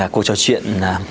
của trò chuyện